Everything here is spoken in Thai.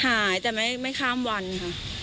หายแต่ไม่ข้ามวันค่ะ